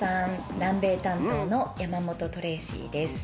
南米担当のヤマモトトレイシィです。